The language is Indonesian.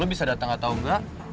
bisa datang atau enggak